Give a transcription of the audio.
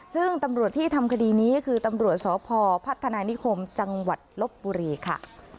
ซึ่งตำรวจที่ทำคดีนี้คือตำรวจสพพัฒนานิคมจังหวัดลบบุรีค่ะ